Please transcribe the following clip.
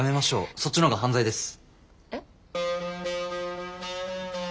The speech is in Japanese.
そっちのほうが犯罪です。え？